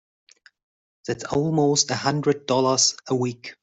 That's almost a hundred dollars a week!